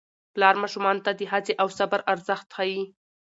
پلار ماشومانو ته د هڅې او صبر ارزښت ښيي